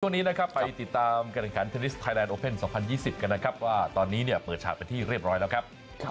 ช่วงนี้นะครับไปติดตามการแข่งขันเทนนิสไทยแลนดโอเพ่น๒๐๒๐กันนะครับว่าตอนนี้เนี่ยเปิดฉากเป็นที่เรียบร้อยแล้วครับ